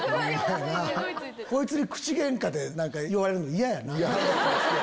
こいつに口げんかで何か言われるの嫌やな。